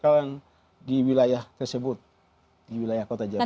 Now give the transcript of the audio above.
kesakalan di wilayah tersebut di wilayah kota jayapura